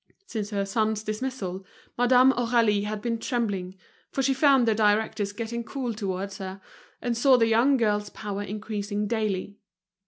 Since her son's dismissal, Madame Aurélie had been trembling, for she found the directors getting cool towards her, and saw the young girl's power increasing daily.